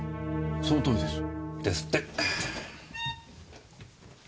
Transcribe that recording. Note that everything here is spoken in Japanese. そのとおりです。ですって。